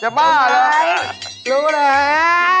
จะบ้าเลยรู้เลย